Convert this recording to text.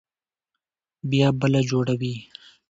بيا بله جوړوي.